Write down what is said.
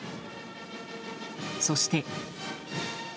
そして。